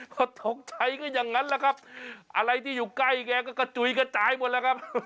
ก็ตกใจก็อย่างนั้นแหละครับอะไรที่อยู่ใกล้แกก็กระจุยกระจายหมดแล้วครับ